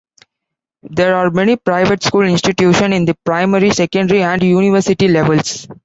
There are many private school institutions in the primary, secondary and university levels.